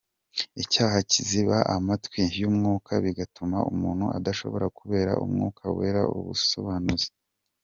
Icyaha kiziba amatwi y’Umwuka bigatuma umuntu adashobora kubera Umwuka Wera umusobanuzi.